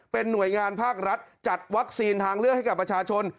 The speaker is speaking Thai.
เป็นหน่วยงานภาครัฐจัดวัคซีนทางเลือกให้กับประชาชน